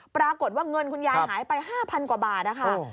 ปรากฏว่าเงินคุณยายหายไป๕๐๐กว่าบาทนะคะ